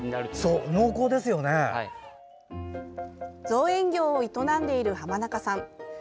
造園業を営んでいる濱中さん。